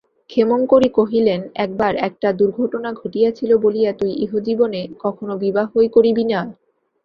ক্ষেমংকরী কহিলেন, একবার একটা দুর্ঘটনা ঘটিয়াছিল বলিয়া তুই ইহজীবনে কখনো বিবাহই করিবি না?